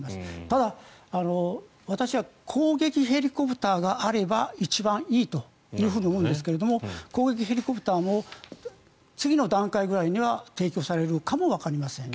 ただ、私は攻撃ヘリコプターがあれば一番いいと思うんですが攻撃ヘリコプターも次の段階ぐらいには提供されるかもわかりません。